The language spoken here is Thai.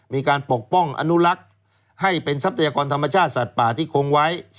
ปกป้องอนุรักษ์ให้เป็นทรัพยากรธรรมชาติสัตว์ป่าที่คงไว้